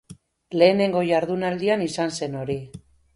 Lehenengo jardunaldian izan zen hori.